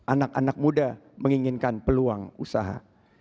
anak anak muda menginginkan peluang usaha